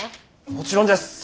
もちろんです！